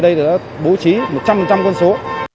đã bố trí một trăm linh con số